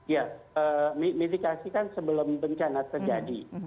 ya mitigasi kan sebelum bencana terjadi